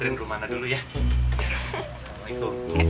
elengir banget mak